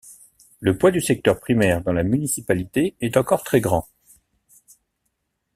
Le poids du secteur primaire dans la municipalité est encore très grand.